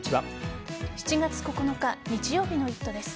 ７月９日日曜日の「イット！」です。